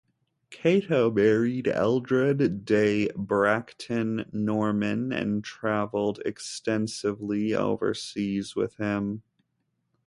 Cato married Eldred De Bracton Norman, and travelled extensively overseas with him.